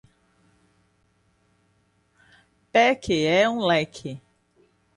Pé que é um leque